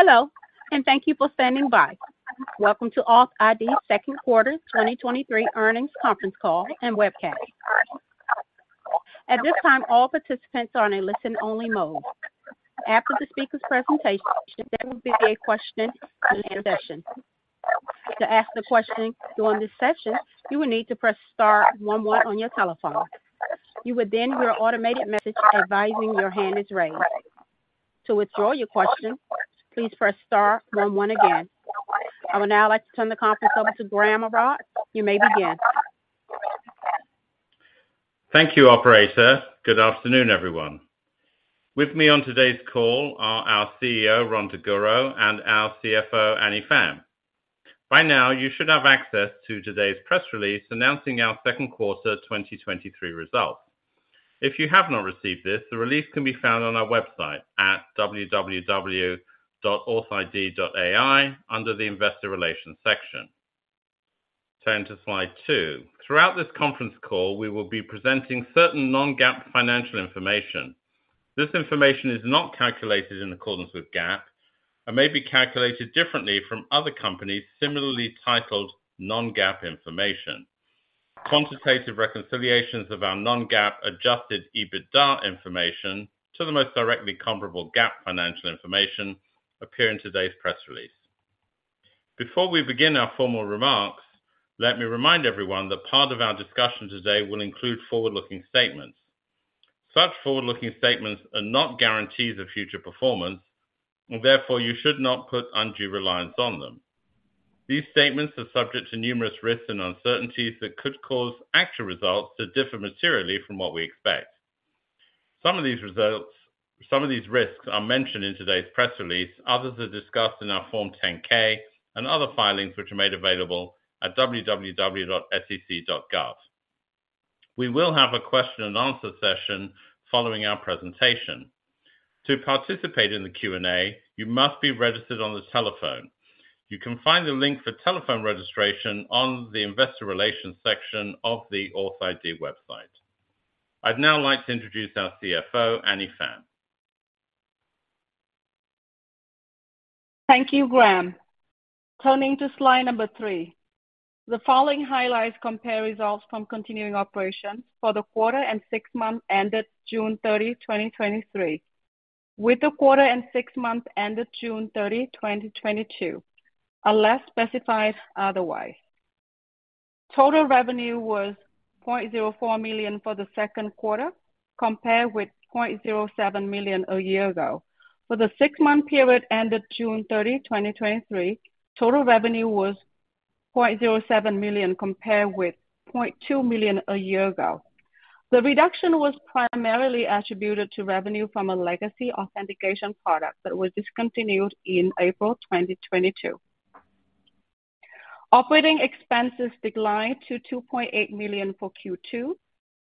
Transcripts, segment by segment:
Hello, thank you for standing by. Welcome to authID 2nd Quarter 2023 Earnings Conference Call and Webcast. At this time, all participants are on a listen-only mode. After the speaker's presentation, there will be a question and answer session. To ask the question during this session, you will need to press star one on your telephone. You will then hear an automated message advising your hand is raised. To withdraw your question, please press star 11 again. I would now like to turn the conference over to Graham Arad. You may begin. Thank you, operator. Good afternoon, everyone. With me on today's call are our CEO, Rhon Daguro, and our CFO, Annie Pham. By now, you should have access to today's press release announcing our second quarter 2023 results. If you have not received this, the release can be found on our website at www.authid.ai, under the Investor Relations section. Turning to slide two. Throughout this conference call, we will be presenting certain non-GAAP financial information. This information is not calculated in accordance with GAAP and may be calculated differently from other companies similarly titled non-GAAP information. Quantitative reconciliations of our non-GAAP adjusted EBITDA information to the most directly comparable GAAP financial information appear in today's press release. Before we begin our formal remarks, let me remind everyone that part of our discussion today will include forward-looking statements. Such forward-looking statements are not guarantees of future performance, and therefore you should not put undue reliance on them. These statements are subject to numerous risks and uncertainties that could cause actual results to differ materially from what we expect. Some of these risks are mentioned in today's press release. Others are discussed in our Form 10-K and other filings, which are made available at www.sec.gov. We will have a question and answer session following our presentation. To participate in the Q&A, you must be registered on the telephone. You can find the link for telephone registration on the Investor Relations section of the authID website. I'd now like to introduce our CFO, Annie Pham. Thank you, Graham. Turning to slide number three. The following highlights compare results from continuing operations for the quarter and six months ended June 30th, 2023, with the quarter and six months ended June 30th, 2022, unless specified otherwise. Total revenue was $0.04 million for the second quarter, compared with $0.07 million a year ago. For the six-month period ended June 30th, 2023, total revenue was $0.07 million, compared with $0.2 million a year ago. The reduction was primarily attributed to revenue from a legacy authentication product that was discontinued in April 2022. Operating expenses declined to $2.8 million for Q2,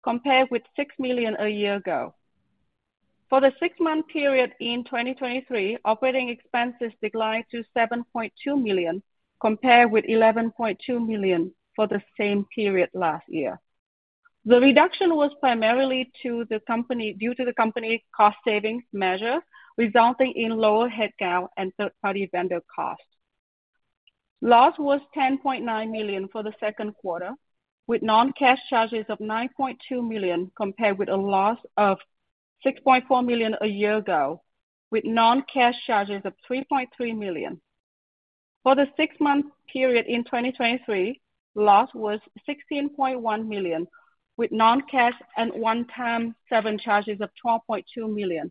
compared with $6 million a year ago. For the six-month period in 2023, operating expenses declined to $7.2 million, compared with $11.2 million for the same period last year. The reduction was primarily due to the company's cost savings measure, resulting in lower headcount and third-party vendor costs. Loss was $10.9 million for the second quarter, with non-cash charges of $9.2 million, compared with a loss of $6.4 million a year ago, with non-cash charges of $3.3 million. For the six-month period in 2023, loss was $16.1 million, with non-cash and one-time seven charges of $12.2 million,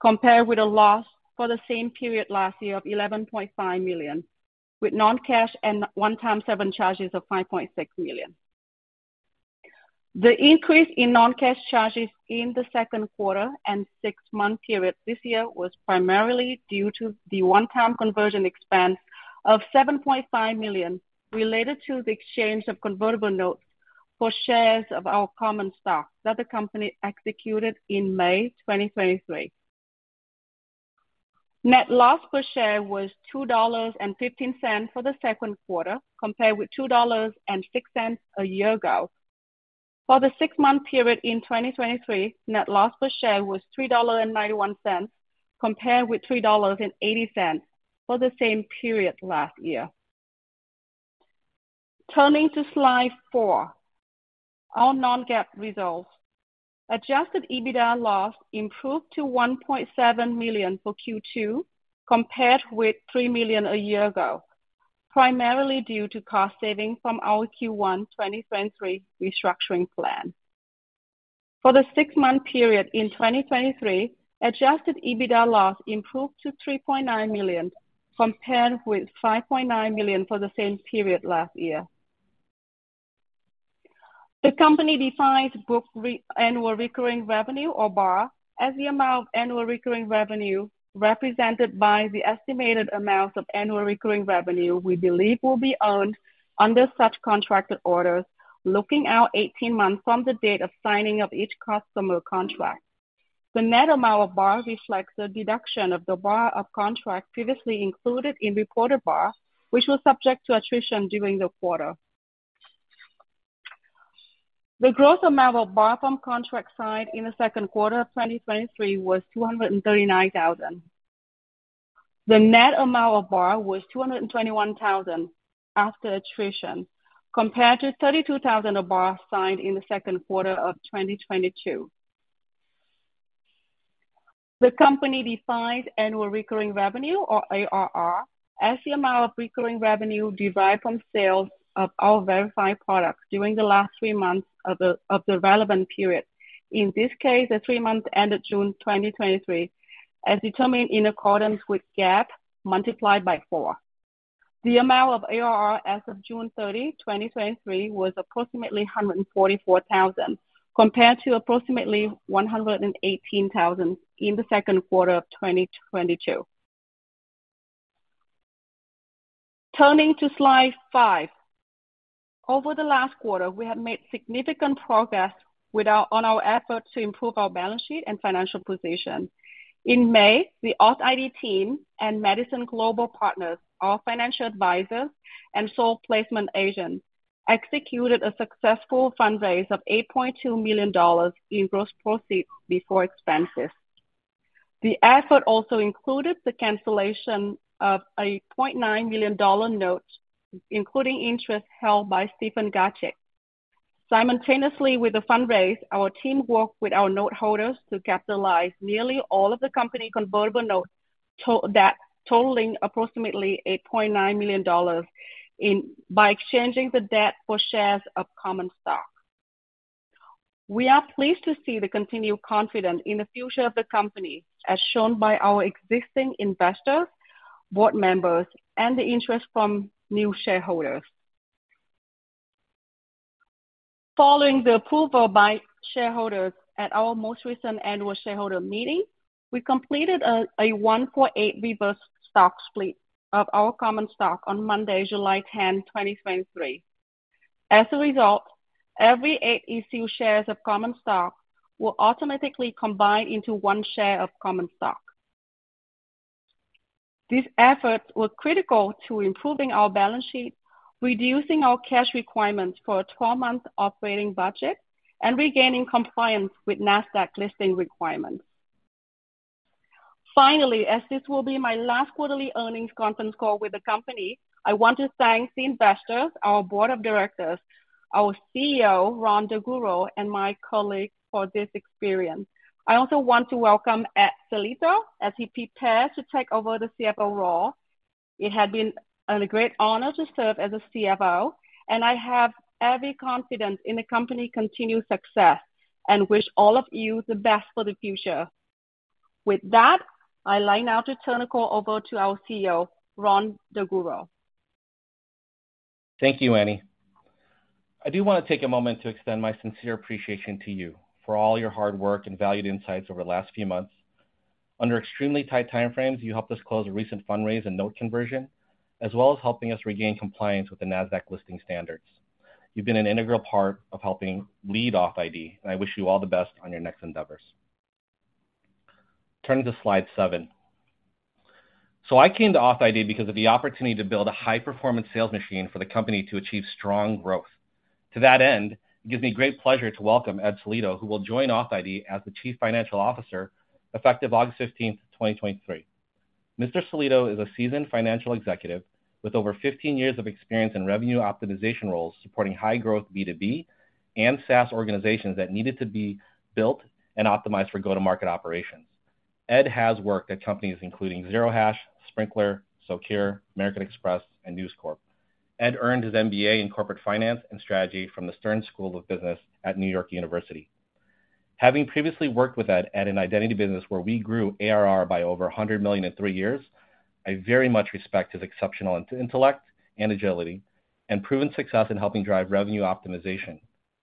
compared with a loss for the same period last year of $11.5 million, with non-cash and one-time seven charges of $5.6 million. The increase in non-cash charges in the second quarter and six-month period this year was primarily due to the one-time conversion expense of $7.5 million, related to the exchange of convertible notes for shares of our common stock that the company executed in May 2023. Net loss per share was $2.15 for the second quarter, compared with $2.06 a year ago. For the six-month period in 2023, net loss per share was $3.91, compared with $3.80 for the same period last year. Turning to slide 4, our non-GAAP results. Adjusted EBITDA loss improved to $1.7 million for Q2, compared with $3 million a year ago, primarily due to cost savings from our Q1 2023 restructuring plan. For the six-month period in 2023, Adjusted EBITDA loss improved to $3.9 million, compared with $5.9 million for the same period last year. The company defines book re-- annual recurring revenue, or BAR, as the amount of annual recurring revenue represented by the estimated amount of annual recurring revenue we believe will be earned under such contracted orders, looking out 18 months from the date of signing of each customer contract. The net amount of BAR reflects the deduction of the BAR of contract previously included in reported BAR, which was subject to attrition during the quarter. The gross amount of BAR from contracts signed in the second quarter of 2023 was $239,000. The net amount of BAR was $221,000 after attrition, compared to $32,000 of BAR signed in the second quarter of 2022. The company defines annual recurring revenue, or ARR, as the amount of recurring revenue derived from sales of our Verified products during the last three months of the relevant period. In this case, the three months ended June 2023, as determined in accordance with GAAP, multiplied by four. The amount of ARR as of June 30, 2023, was approximately $144,000, compared to approximately $118,000 in the 2Q 2022. Turning to Slide 5. Over the last quarter, we have made significant progress on our efforts to improve our balance sheet and financial position. In May, the authID team and Madison Global Partners, our financial advisors and sole placement agent, executed a successful fundraise of $8.2 million in gross proceeds before expenses. The effort also included the cancellation of a $0.9 million note, including interest held by Stephen Gacek. Simultaneously with the fundraise, our team worked with our note holders to capitalize nearly all of the company convertible notes that totaling approximately $8.9 million by exchanging the debt for shares of common stock. We are pleased to see the continued confidence in the future of the company, as shown by our existing investors, board members, and the interest from new shareholders. Following the approval by shareholders at our most recent annual shareholder meeting, we completed a 1.8 reverse stock split of our common stock on Monday, July 10th, 2023. As a result, every eight issued shares of common stock will automatically combine into one share of common stock. These efforts were critical to improving our balance sheet, reducing our cash requirements for a 12-month operating budget, and regaining compliance with NASDAQ listing requirements. Finally, as this will be my last quarterly earnings conference call with the company, I want to thank the investors, our board of directors, our CEO, Rhon Daguro, and my colleagues for this experience. I also want to welcome Ed Sellito as he prepares to take over the CFO role. It has been a great honor to serve as the CFO, and I have every confidence in the company's continued success and wish all of you the best for the future. With that, I'd like now to turn the call over to our CEO, Rhon Daguro. Thank you, Annie. I do want to take a moment to extend my sincere appreciation to you for all your hard work and valued insights over the last few months. Under extremely tight time frames, you helped us close a recent fundraise and note conversion, as well as helping us regain compliance with the NASDAQ listing standards. You've been an integral part of helping lead authID, and I wish you all the best on your next endeavors. Turning to Slide seven. I came to authID because of the opportunity to build a high-performance sales machine for the company to achieve strong growth. To that end, it gives me great pleasure to welcome Ed Sellito, who will join authID as the Chief Financial Officer, effective August 15th, 2023. Mr. Sellito is a seasoned financial executive with over 15 years of experience in revenue optimization roles, supporting high-growth B2B and SaaS organizations that needed to be built and optimized for go-to-market operations. Ed has worked at companies including Zero Hash, Sprinklr, Socure, American Express, and News Corp. Ed earned his MBA in Corporate Finance and Strategy from the Stern School of Business at New York University. Having previously worked with Ed at an identity business where we grew ARR by over $100 million in three years, I very much respect his exceptional intellect and agility and proven success in helping drive revenue optimization.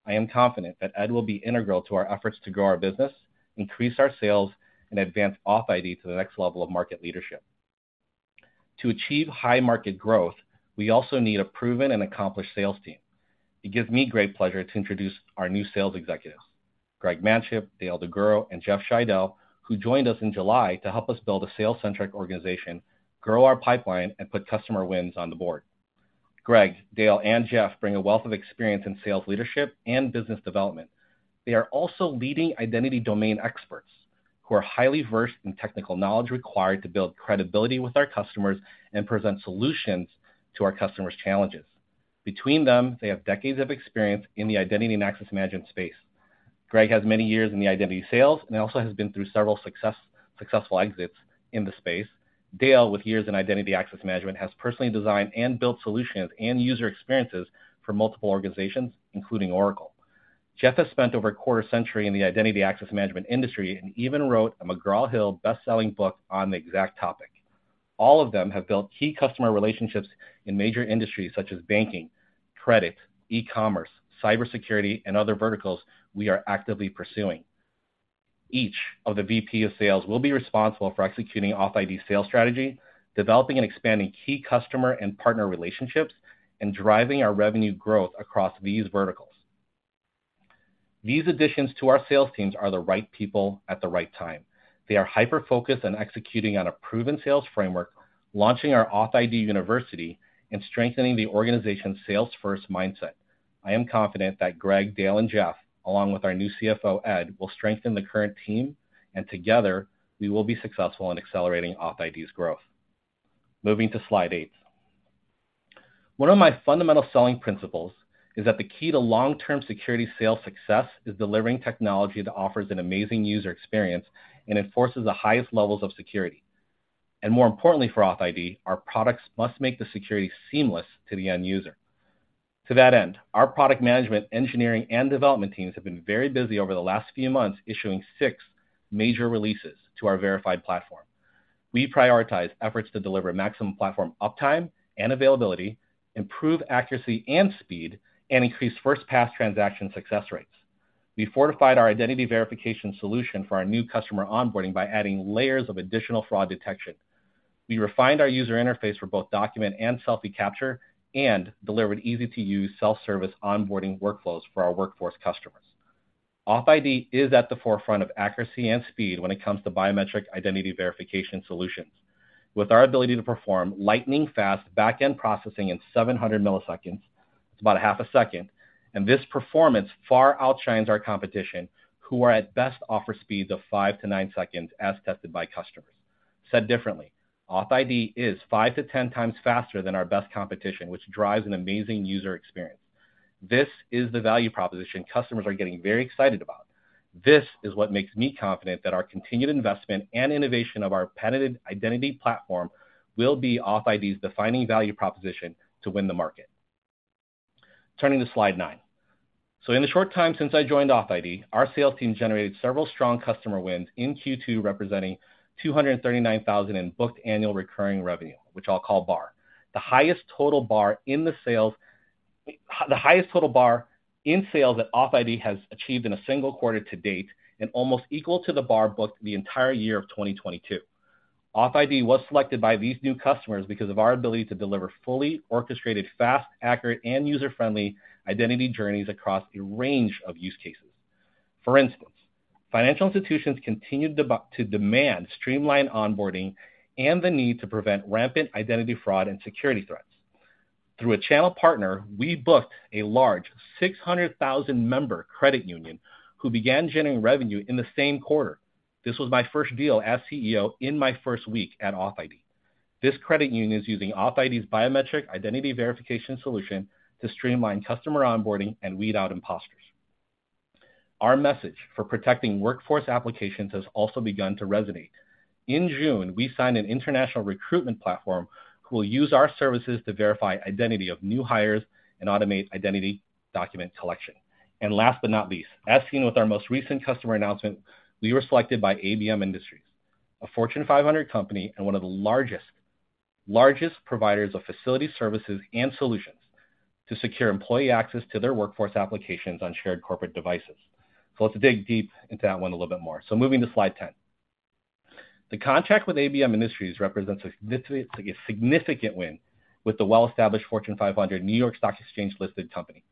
I am confident that Ed will be integral to our efforts to grow our business, increase our sales, and advance authID to the next level of market leadership. To achieve high market growth, we also need a proven and accomplished sales team. It gives me great pleasure to introduce our new sales executives, Greg Manship, Dale DeGuglielmo, and Jeff Shidell, who joined us in July to help us build a sales-centric organization, grow our pipeline, and put customer wins on the board. Greg, Dale, and Jeff bring a wealth of experience in sales leadership and business development. They are also leading identity domain experts who are highly versed in technical knowledge required to build credibility with our customers and present solutions to our customers' challenges. Between them, they have decades of experience in the identity and access management space. Greg has many years in the identity sales and also has been through several successful exits in the space. Dale, with years in identity access management, has personally designed and built solutions and user experiences for multiple organizations, including Oracle. Jeff has spent over a quarter century in the identity access management industry and even wrote a McGraw Hill best-selling book on the exact topic. All of them have built key customer relationships in major industries such as banking, credit, e-commerce, cybersecurity, and other verticals we are actively pursuing. Each of the VP of Sales will be responsible for executing authID sales strategy, developing and expanding key customer and partner relationships, and driving our revenue growth across these verticals... These additions to our sales teams are the right people at the right time. They are hyper-focused on executing on a proven sales framework, launching our authID University, and strengthening the organization's sales-first mindset. I am confident that Greg, Dale, and Jeff, along with our new CFO, Ed, will strengthen the current team, and together, we will be successful in accelerating authID's growth. Moving to Slide eight. One of my fundamental selling principles is that the key to long-term security sales success is delivering technology that offers an amazing user experience and enforces the highest levels of security. More importantly, for authID, our products must make the security seamless to the end user. To that end, our product management, engineering, and development teams have been very busy over the last few months issuing six major releases to our Verified platform. We prioritize efforts to deliver maximum platform uptime and availability, improve accuracy and speed, and increase first pass transaction success rates. We fortified our identity verification solution for our new customer onboarding by adding layers of additional fraud detection. We refined our user interface for both document and selfie capture and delivered easy-to-use self-service onboarding workflows for our workforce customers. authID is at the forefront of accuracy and speed when it comes to biometric identity verification solutions. With our ability to perform lightning-fast back-end processing in 700 milliseconds, it's about a half a second, this performance far outshines our competition, who are at best, offer speeds of five to nine seconds as tested by customers. Said differently, authID is five-10 times faster than our best competition, which drives an amazing user experience. This is the value proposition customers are getting very excited about. This is what makes me confident that our continued investment and innovation of our patented identity platform will be authID's defining value proposition to win the market. Turning to Slide nine. In the short time since I joined authID, our sales team generated several strong customer wins in Q2, representing $239,000 in booked annual recurring revenue, which I'll call BAR. The highest total BAR in sales the highest total BAR in sales that authID has achieved in a single quarter to date and almost equal to the BAR booked the entire year of 2022. authID was selected by these new customers because of our ability to deliver fully orchestrated, fast, accurate, and user-friendly identity journeys across a range of use cases. For instance, financial institutions continue to demand streamlined onboarding and the need to prevent rampant identity fraud and security threats. Through a channel partner, we booked a large 600,000 member credit union who began generating revenue in the same quarter. This was my first deal as CEO in my first week at authID. This credit union is using authID's biometric identity verification solution to streamline customer onboarding and weed out imposters. In June, we signed an international recruitment platform who will use our services to verify identity of new hires and automate identity document collection. Last but not least, as seen with our most recent customer announcement, we were selected by ABM Industries, a Fortune 500 company and one of the largest, largest providers of facility services and solutions to secure employee access to their workforce applications on shared corporate devices. Let's dig deep into that one a little bit more. Moving to Slide 10. The contract with ABM Industries represents a significant win with the well-established Fortune 500 New York Stock Exchange-listed company.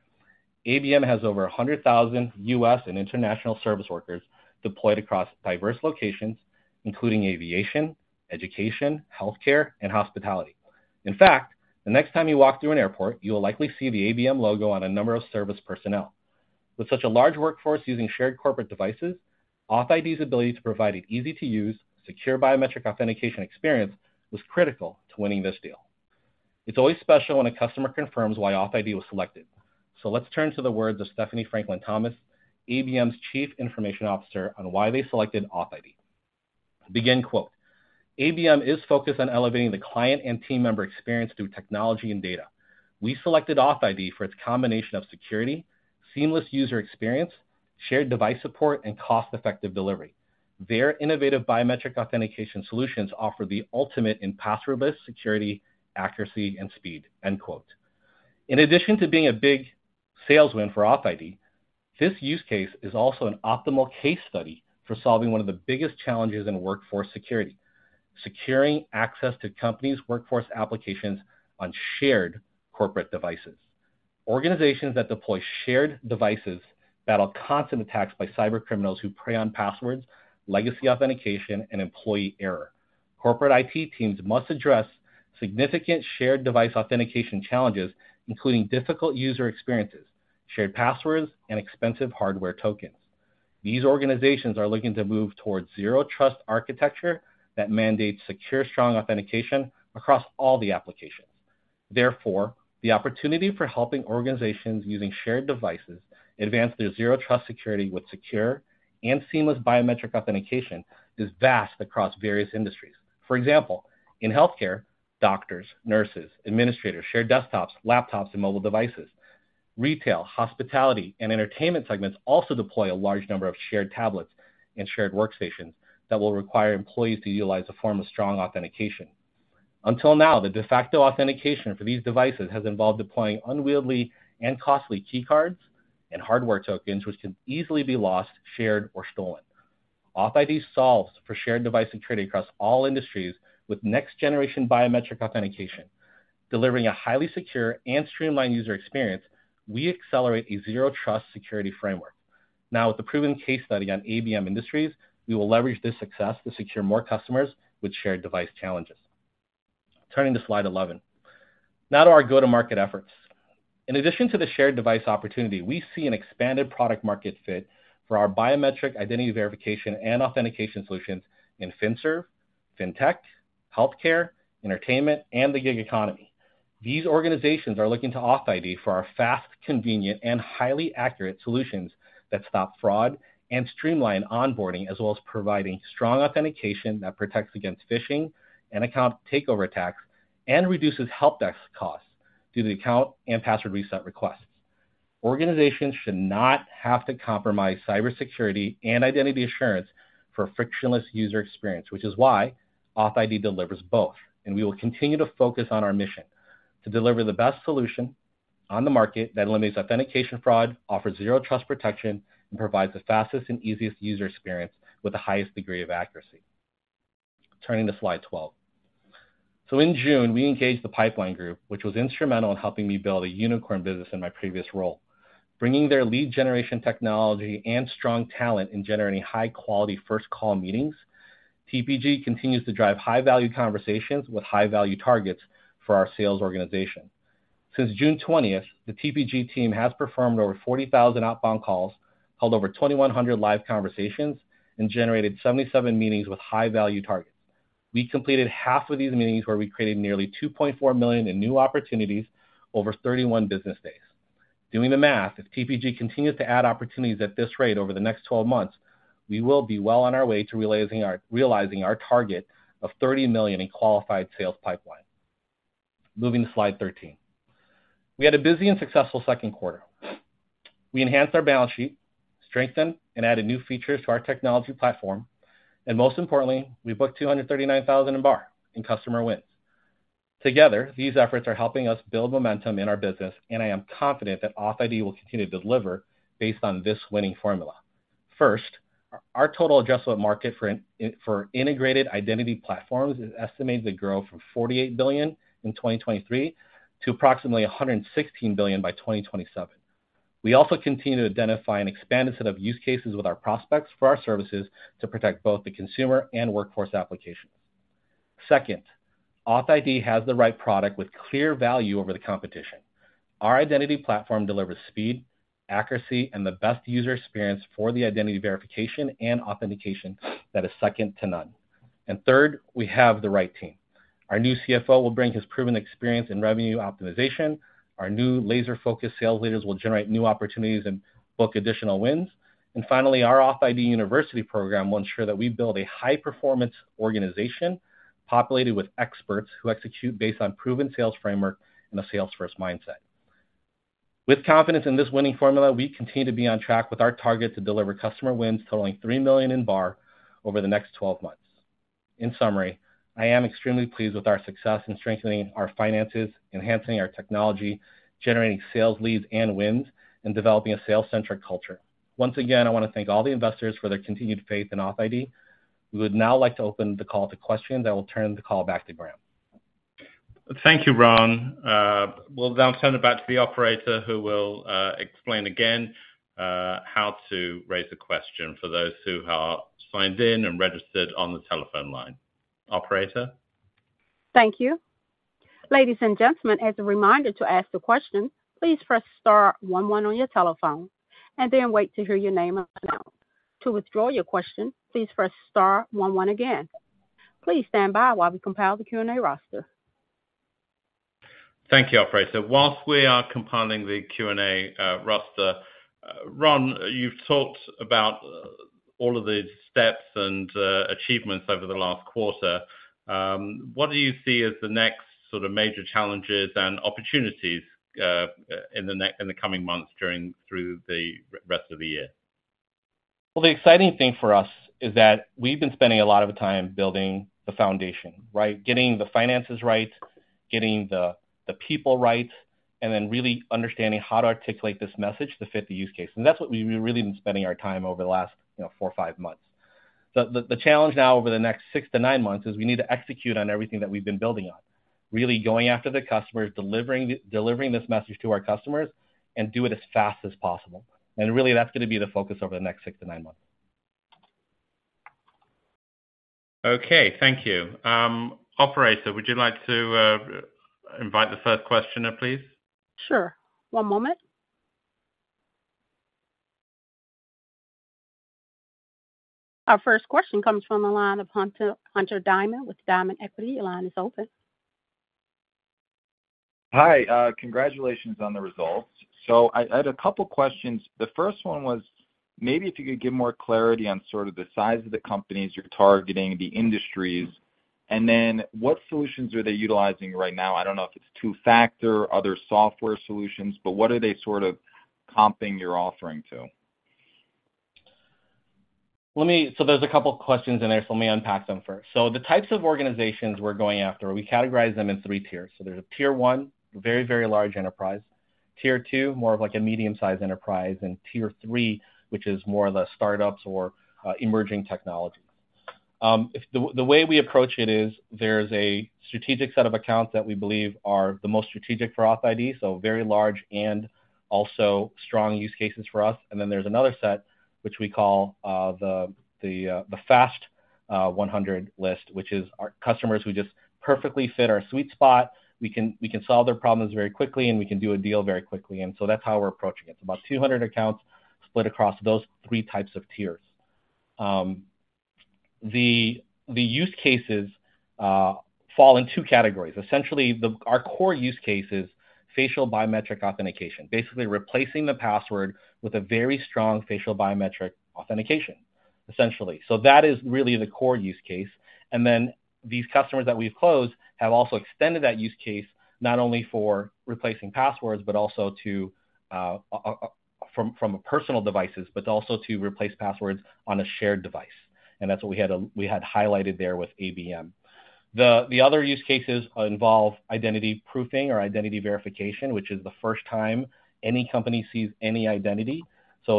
ABM has over 100,000 U.S. and international service workers deployed across diverse locations, including aviation, education, healthcare, and hospitality. In fact, the next time you walk through an airport, you will likely see the ABM logo on a number of service personnel. With such a large workforce using shared corporate devices, authID's ability to provide an easy-to-use, secure biometric authentication experience was critical to winning this deal. It's always special when a customer confirms why authID was selected. Let's turn to the words of Stephanie Franklin-Thomas, ABM's Chief Information Officer, on why they selected authID. "ABM is focused on elevating the client and team member experience through technology and data. We selected authID for its combination of security, seamless user experience, shared device support, and cost-effective delivery. Their innovative biometric authentication solutions offer the ultimate in passwordless security, accuracy, and speed." End quote. In addition to being a big sales win for authID, this use case is also an optimal case study for solving one of the biggest challenges in workforce security: securing access to companies' workforce applications on shared corporate devices. Organizations that deploy shared devices battle constant attacks by cybercriminals who prey on passwords, legacy authentication, and employee error. Corporate IT teams must address significant shared device authentication challenges, including difficult user experiences, shared passwords, and expensive hardware tokens. These organizations are looking to move towards zero-trust architecture that mandates secure, strong authentication across all the applications. Therefore, the opportunity for helping organizations using shared devices advance their zero-trust security with secure and seamless biometric authentication is vast across various industries. For example, in healthcare, doctors, nurses, administrators share desktops, laptops, and mobile devices. Retail, hospitality, and entertainment segments also deploy a large number of shared tablets and shared workstations that will require employees to utilize a form of strong authentication. Until now, the de facto authentication for these devices has involved deploying unwieldy and costly key cards and hardware tokens, which can easily be lost, shared, or stolen. authID solves for shared device integrity across all industries with next-generation biometric authentication. Delivering a highly secure and streamlined user experience, we accelerate a zero-trust security framework. With the proven case study on ABM Industries, we will leverage this success to secure more customers with shared device challenges. Turning to slide 11. To our go-to-market efforts. In addition to the shared device opportunity, we see an expanded product market fit for our biometric identity verification and authentication solutions in FinServ, Fintech, healthcare, entertainment, and the gig economy. These organizations are looking to authID for our fast, convenient, and highly accurate solutions that stop fraud and streamline onboarding, as well as providing strong authentication that protects against phishing and account takeover attacks and reduces help desk costs due to account and password reset requests. Organizations should not have to compromise cybersecurity and identity assurance for a frictionless user experience, which is why authID delivers both, and we will continue to focus on our mission: to deliver the best solution on the market that eliminates authentication fraud, offers zero-trust protection, and provides the fastest and easiest user experience with the highest degree of accuracy. Turning to slide 12. In June, we engaged The Pipeline Group, which was instrumental in helping me build a unicorn business in my previous role. Bringing their lead generation technology and strong talent in generating high-quality first call meetings, TPG continues to drive high-value conversations with high-value targets for our sales organization. Since June 20th, the TPG team has performed over 40,000 outbound calls, held over 2,100 live conversations, and generated 77 meetings with high-value targets. We completed half of these meetings, where we created nearly $2.4 million in new opportunities over 31 business days. Doing the math, if TPG continues to add opportunities at this rate over the next 12 months, we will be well on our way to realizing our, realizing our target of $30 million in qualified sales pipeline. Moving to slide 13. We had a busy and successful second quarter. We enhanced our balance sheet, strengthened and added new features to our technology platform, most importantly, we booked $239,000 in ARR in customer wins. Together, these efforts are helping us build momentum in our business, I am confident that authID will continue to deliver based on this winning formula. First, our total addressable market for integrated identity platforms is estimated to grow from $48 billion in 2023 to approximately $116 billion by 2027. We also continue to identify an expanded set of use cases with our prospects for our services to protect both the consumer and workforce applications. Second, authID has the right product with clear value over the competition. Our identity platform delivers speed, accuracy, and the best user experience for the identity verification and authentication that is second to none. Third, we have the right team. Our new CFO will bring his proven experience in revenue optimization. Our new laser-focused sales leaders will generate new opportunities and book additional wins. Finally, our authID University program will ensure that we build a high-performance organization populated with experts who execute based on proven sales framework and a sales-first mindset. With confidence in this winning formula, we continue to be on track with our target to deliver customer wins totaling $3 million in BAR over the next 12 months. In summary, I am extremely pleased with our success in strengthening our finances, enhancing our technology, generating sales leads and wins, and developing a sales-centric culture. Once again, I want to thank all the investors for their continued faith in authID. We would now like to open the call to questions, and I will turn the call back to Graham. Thank you, Rhon. We'll now turn it back to the operator, who will explain again how to raise a question for those who are signed in and registered on the telephone line. Operator? Thank you. Ladies and gentlemen, as a reminder to ask a question, please press star one one on your telephone and then wait to hear your name announced. To withdraw your question, please press star one one again. Please stand by while we compile the Q&A roster. Thank you, operator. Whilst we are compiling the Q&A roster, Rhon, you've talked about all of the steps and achievements over the last quarter. What do you see as the next sort of major challenges and opportunities in the coming months through the rest of the year? Well, the exciting thing for us is that we've been spending a lot of time building the foundation, right? Getting the finances right, getting the people right, and then really understanding how to articulate this message to fit the use case, and that's what we've really been spending our time over the last, you know, four or five months. The challenge now over the next six to nine months is we need to execute on everything that we've been building on. Really going after the customers, delivering, delivering this message to our customers, and do it as fast as possible. Really, that's going to be the focus over the next six to nine months. Okay. Thank you. Operator, would you like to invite the first questioner, please? Sure. One moment. Our first question comes from the line of Hunter, Hunter Diamond with Diamond Equity. Your line is open. Hi, congratulations on the results. I, I had a couple questions. The first one was, maybe if you could give more clarity on sort of the size of the companies you're targeting, the industries, and then what solutions are they utilizing right now? I don't know if it's two-factor, other software solutions, but what are they sort of comping your offering to? Let me. There's a couple questions in there, so let me unpack them first. The types of organizations we're going after, we categorize them in 3 Tiers. There's a Tier 1, very, very large enterprise. Tier 2, more of like a medium-size enterprise, and Tier 3, which is more the startups or emerging technology. If the, the way we approach it is there's a strategic set of accounts that we believe are the most strategic for authID, so very large and also strong use cases for us. Then there's another set, which we call the Fast 100 list, which is our customers who just perfectly fit our sweet spot. We can, we can solve their problems very quickly, and we can do a deal very quickly. That's how we're approaching it. About 200 accounts split across those 3 types of tiers. The, the use cases fall in 2 categories. Essentially, the, our core use case is facial biometric authentication, basically replacing the password with a very strong facial biometric authentication, essentially. That is really the core use case. These customers that we've closed have also extended that use case not only for replacing passwords, but also to from personal devices, but also to replace passwords on a shared device, and that's what we had, we had highlighted there with ABM. The, the other use cases involve identity proofing or identity verification, which is the first time any company sees any identity. Is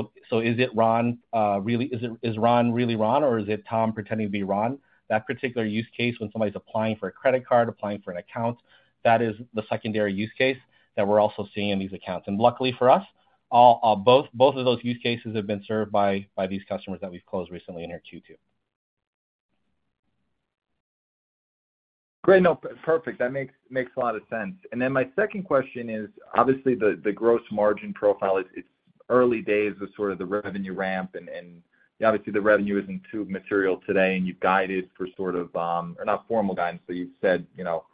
it Rhon, really Is Rhon really Rhon, or is it Tom pretending to be Rhon? That particular use case when somebody's applying for a credit card, applying for an account, that is the secondary use case that we're also seeing in these accounts. Luckily for us, all, both of those use cases have been served by these customers that we've closed recently in our Q2. Great. No, perfect. That makes, makes a lot of sense. My second question is, obviously, the, the gross margin profile is, it's early days of sort of the revenue ramp, and, and obviously, the revenue isn't too material today, and you've guided for sort of, or not formal guidance, but you've said, you know,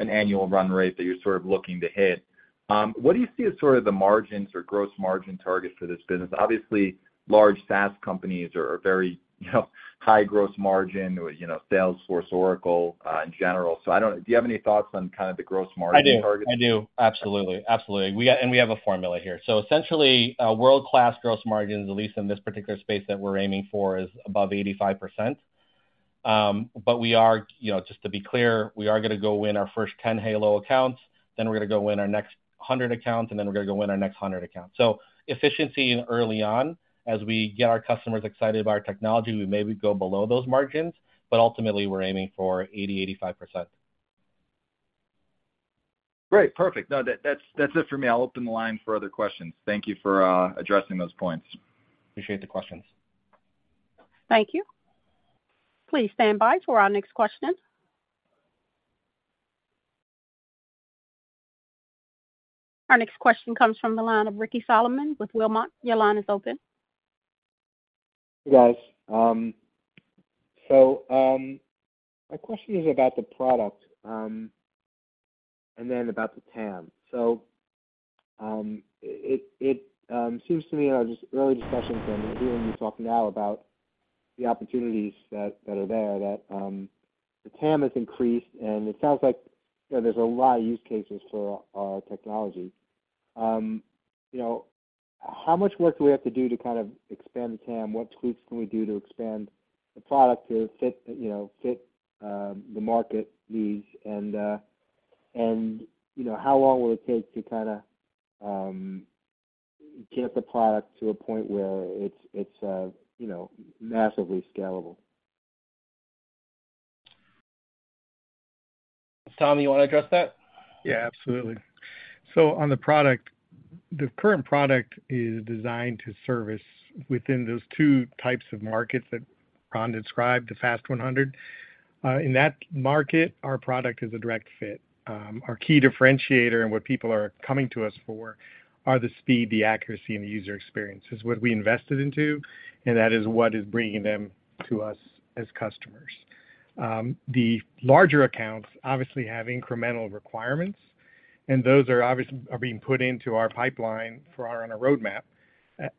an annual run rate that you're sort of looking to hit. What do you see as sort of the margins or gross margin targets for this business? Obviously, large SaaS companies are, are very, you know, high gross margin, you know, Salesforce, Oracle, in general. I don't know, do you have any thoughts on kind of the gross margin target? I do. I do. Absolutely, absolutely. And we have a formula here. Essentially, a world-class gross margin, at least in this particular space that we're aiming for, is above 85%. But we are, you know, just to be clear, we are gonna go win our 10 halo accounts, then we're gonna go win our next 100 accounts, and then we're gonna go win our next 100 accounts. Efficiency early on, as we get our customers excited about our technology, we maybe go below those margins, but ultimately we're aiming for 80%, 85%. Great, perfect. No, that, that's, that's it for me. I'll open the line for other questions. Thank you for addressing those points. Appreciate the questions. Thank you. Please stand by for our next question. Our next question comes from the line of Ricky Solomon with Wilmot. Your line is open. Hey, guys. My question is about the product, and then about the TAM. It, it seems to me in our just early discussions, and then hearing you talk now about the opportunities that, that are there, that the TAM has increased, and it sounds like, you know, there's a lot of use cases for our technology. You know, how much work do we have to do to kind of expand the TAM? What tweaks can we do to expand the product to fit, you know, fit the market needs? You know, how long will it take to kinda get the product to a point where it's, it's, you know, massively scalable? Tom, you want to address that? Yeah, absolutely. On the product, the current product is designed to service within those two types of markets that Rhon Daguro described, the Fast 100. In that market, our product is a direct fit. Our key differentiator and what people are coming to us for are the speed, the accuracy, and the user experience. It's what we invested into, and that is what is bringing them to us as customers. The larger accounts obviously have incremental requirements, and those are obviously are being put into our pipeline for our on roadmap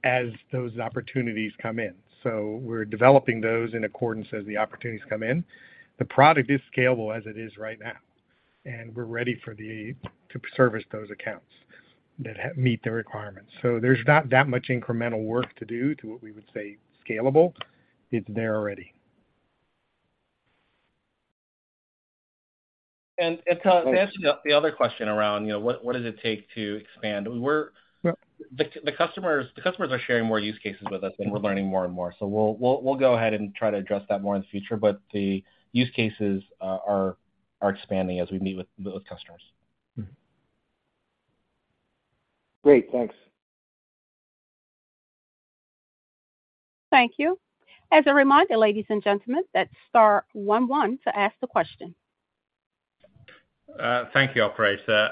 as those opportunities come in. We're developing those in accordance as the opportunities come in. The product is scalable as it is right now, and we're ready for the, to service those accounts that meet the requirements. There's not that much incremental work to do to what we would say scalable. It's there already. Tom, to answer the, the other question around, you know, what, what does it take to expand? We're- Yep. The, the customers, the customers are sharing more use cases with us, and we're learning more and more. We'll, we'll, we'll go ahead and try to address that more in the future, but the use cases are, are expanding as we meet with, with customers. Mm-hmm. Great. Thanks. Thank you. As a reminder, ladies and gentlemen, that's star 11 to ask the question. Thank you, Operator.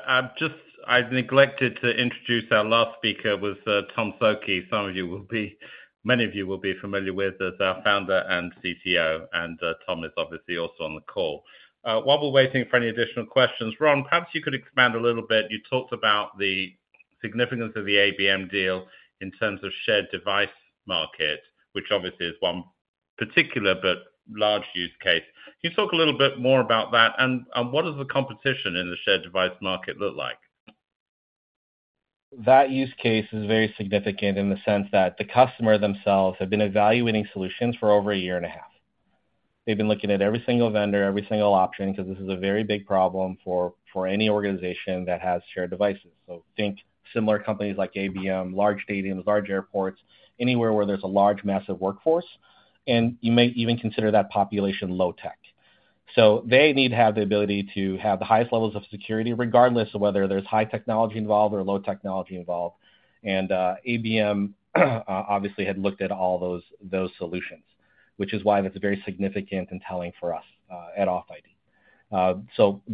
I've neglected to introduce our last speaker, was Tom Szoke. Many of you will be familiar with as our founder and CTO, and Tom is obviously also on the call. While we're waiting for any additional questions, Rhon, perhaps you could expand a little bit. You talked about the significance of the ABM deal in terms of shared device market, which obviously is one particular but large use case. Can you talk a little bit more about that, and what does the competition in the shared device market look like? That use case is very significant in the sense that the customer themselves have been evaluating solutions for over 1.5 years. They've been looking at every single vendor, every single option, because this is a very big problem for, for any organization that has shared devices. Think similar companies like ABM, large stadiums, large airports, anywhere where there's a large, massive workforce, and you may even consider that population low tech. They need to have the ability to have the highest levels of security, regardless of whether there's high technology involved or low technology involved. ABM obviously had looked at all those, those solutions, which is why that's very significant and telling for us at authID.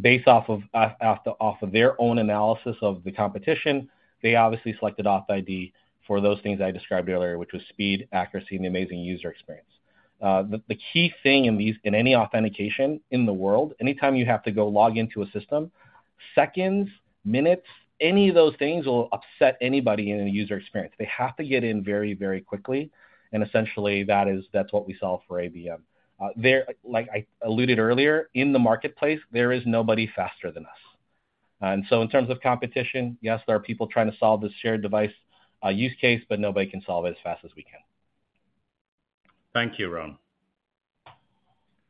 Based off of, off, off of their own analysis of the competition, they obviously selected authID for those things I described earlier, which was speed, accuracy, and the amazing user experience. The, the key thing in these, in any authentication in the world, anytime you have to go log into a system, seconds, minutes, any of those things will upset anybody in a user experience. They have to get in very, very quickly, and essentially, that is- that's what we solve for ABM. They're like I alluded earlier, in the marketplace, there is nobody faster than us. In terms of competition, yes, there are people trying to solve this shared device, use case, but nobody can solve it as fast as we can. Thank you, Rhon.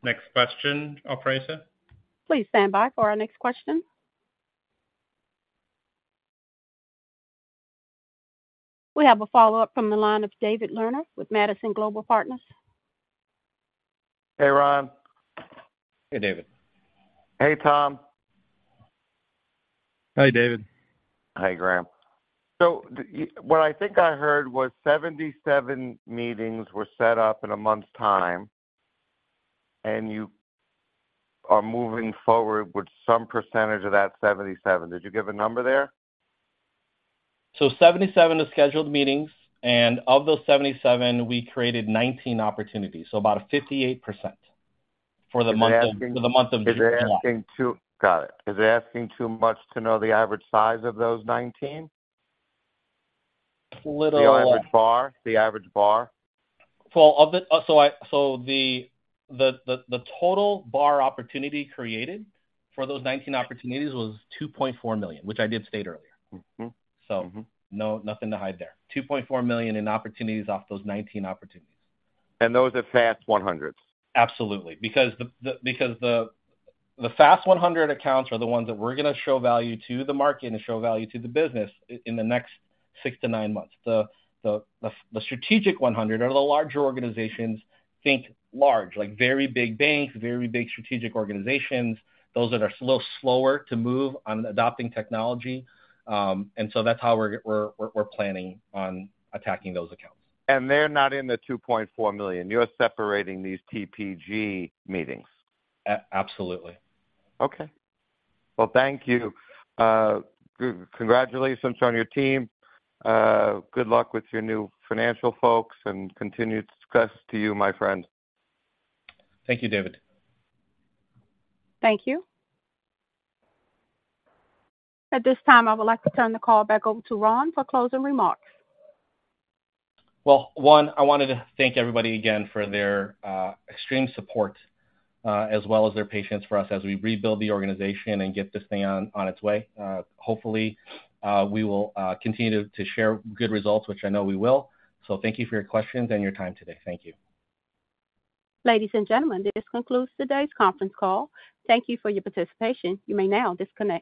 Next question, operator. Please stand by for our next question. We have a follow-up from the line of David Lerner with Madison Global Partners. Hey, Rhon. Hey, David. Hey, Tom. Hi, David. Hi, Graham. what I think I heard was 77 meetings were set up in a month's time, and you are moving forward with some percentage of that 77. Did you give a number there? 77 is scheduled meetings, and of those 77, we created 19 opportunities, so about a 58% for the month of. Is asking... For the month of June, yeah. Got it. Is asking too much to know the average size of those 19? Little- The average BAR? The average BAR. Well, the total BAR opportunity created for those 19 opportunities was $2.4 million, which I did state earlier. Mm-hmm. So- Mm-hmm. no, nothing to hide there. $2.4 million in opportunities off those 19 opportunities. Those are Fast 100s? Absolutely, because the Fast 100 accounts are the ones that we're gonna show value to the market and show value to the business in the next six to nine months. The strategic 100 are the larger organizations, think large, like very big banks, very big strategic organizations, those that are a little slower to move on adopting technology. So that's how we're planning on attacking those accounts. They're not in the $2.4 million. You're separating these TPG meetings? A-absolutely. Okay. Well, thank you. Congratulations on your team. Good luck with your new financial folks, and continued success to you, my friend. Thank you, David. Thank you. At this time, I would like to turn the call back over to Rhon for closing remarks. Well, one, I wanted to thank everybody again for their extreme support, as well as their patience for us as we rebuild the organization and get this thing on, on its way. Hopefully, we will continue to share good results, which I know we will. Thank you for your questions and your time today. Thank you. Ladies and gentlemen, this concludes today's conference call. Thank you for your participation. You may now disconnect.